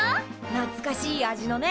なつかしい味のね！